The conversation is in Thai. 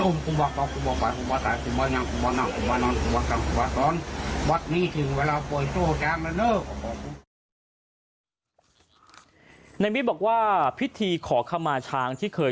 มิตรบอกว่าพิธีขอขมาช้างที่เคย